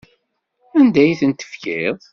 Anda ay ten-tefkiḍ?